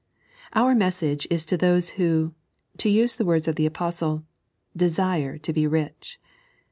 Our message is to those who, to use the words of the Apostle, dtsuv to be rich.